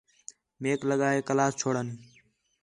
میک لڳا ہے کلاس چھوڑݨ